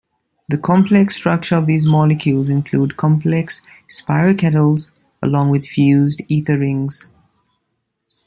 The complex structure of these molecules include multiple spiroketals, along with fused ether rings.